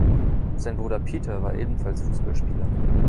Sein Bruder Peter war ebenfalls Fußballspieler.